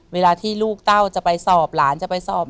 เวลาที่ลูกเต้าจะไปสอบหลานจะไปสอบ